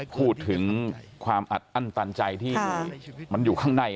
พูดถึงความอัดอั้นตันใจที่มันอยู่ข้างใน